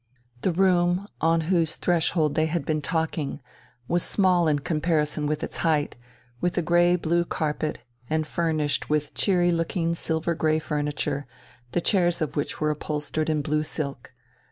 The room, on whose threshold they had been talking, was small in comparison with its height, with a grey blue carpet, and furnished with cheery looking silver grey furniture, the chairs of which were upholstered in blue silk.